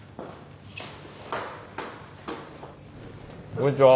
こんにちは。